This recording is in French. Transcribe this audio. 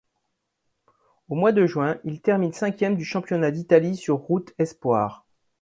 Au mois de juin, il termine cinquième du championnat d'Italie sur route espoirs.